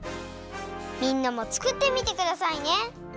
みんなもつくってみてくださいね！